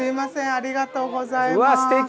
ありがとうございます。